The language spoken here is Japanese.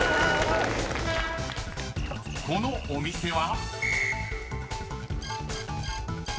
［このお店は？］